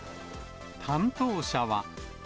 担当者は。